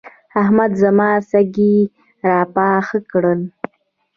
احمد زما سږي راپاخه کړل.